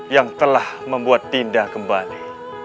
yang telah membuat tindak kembali